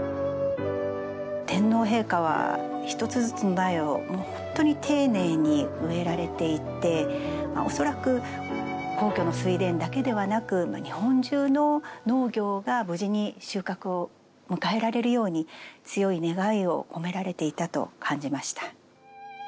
天皇陛下は一つずつの苗をホントに丁寧に植えられていて恐らく皇居の水田だけではなく日本中の農業が無事に収穫を迎えられるように強い願いを込められていたと感じました。